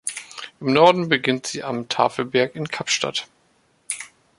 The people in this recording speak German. Im Norden beginnt sie am Tafelberg in Kapstadt.